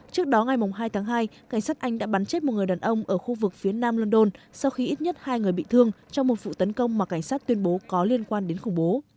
trước đó ngày hai tháng hai cảnh sát anh đã bắn chết một người đàn ông ở khu vực phía nam london sau khi ít nhất hai người bị thương trong một vụ tấn công mà cảnh sát tuyên bố có liên quan đến khủng bố